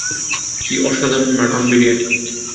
কী অসাধারণ মাটন বিরিয়ানি!